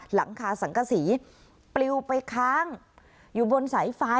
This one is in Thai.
หลังคาสังกษีปลิวไปค้างอยู่บนสายฟ้า